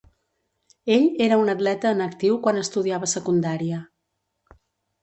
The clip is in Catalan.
Ell era un atleta en actiu quan estudiava secundària.